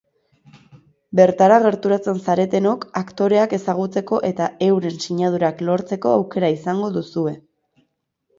Bertara gerturatzen zaretenok aktoreak ezagutzeko eta euren sinadurak lortzeko aukera izango duzue.